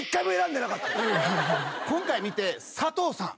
今回見て佐藤さん